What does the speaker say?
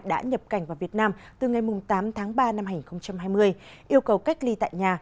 đã nhập cảnh vào việt nam từ ngày tám tháng ba năm hai nghìn hai mươi yêu cầu cách ly tại nhà